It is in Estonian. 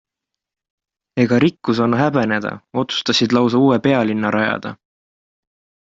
Ega rikkus anna häbeneda, otsustasid lausa uue pealinna rajada.